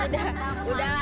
udah bang udah abis